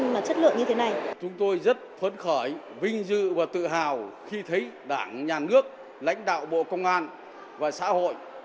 một tự hào khi thấy đảng nhà nước lãnh đạo bộ công an và xã hội